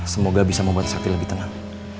semoga bisa membuat sapi lebih tenang